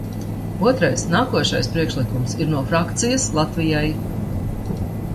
"Otrais, nākošais, priekšlikums ir no frakcijas "Latvijai"."